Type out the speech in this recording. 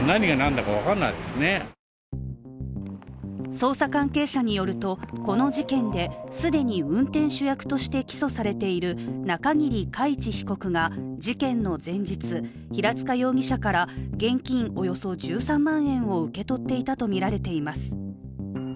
捜査関係者によると、この事件で既に運転手役として起訴されている中桐海知被告が事件の前日、平塚容疑者から現金およそ１３万円を受け取っていたとみられています。